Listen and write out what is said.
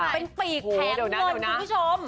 เป็นปีกแผงเงินคุณผู้ชม